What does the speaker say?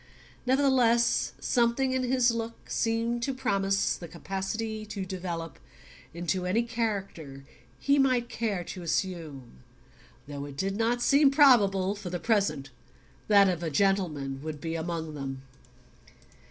Nevertheless something in his look seemed to promise the capacity to develop into any character he might care to assume; though it did not seem probable that, for the present, that of a gentleman would be among them.